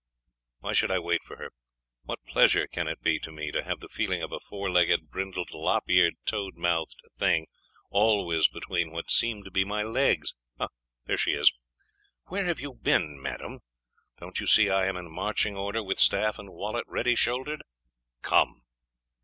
Why should I wait for her? What pleasure can it be to me to have the feeling of a four legged, brindled, lop eared, toad mouthed thing always between what seem to be my legs? There she is! Where have you been, madam? Don't you see I am in marching order, with staff and wallet ready shouldered? Come!